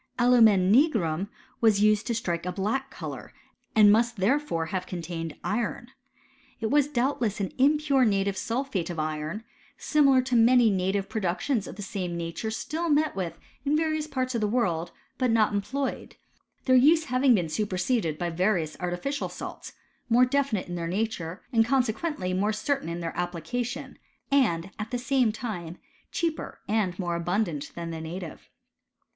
Alumen nigrum used to strike a black colour, and must therefore hvigt contained iron. It was doubtless an impure nati •^* Beitrag«, ill. 104. t I ; CHEMIST&T 0¥ THE AKCIEKTS. 105 sulphate of iron, similar to many native productions of the same nature still met with in various parts of the world, but not employed ; their use having been su perseded by various artificial salts, more definite in their nature, and consequently more certain in their application, and at the same time cheaper and more abundant than the native.